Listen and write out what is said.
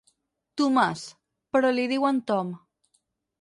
Tomàs, però li diuen Tom.